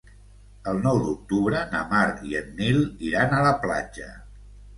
El nou d'octubre na Mar i en Nil iran a la platja.